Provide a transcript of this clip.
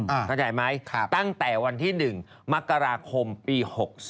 อืมอ่าใช่ไหมตั้งแต่วันที่หนึ่งมกรคมปี๖๐